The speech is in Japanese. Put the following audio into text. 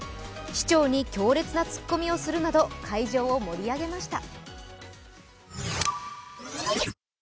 市長に強烈なツッコミをするなど、会場が盛り上がりました。